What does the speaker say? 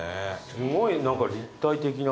すごい何か立体的な。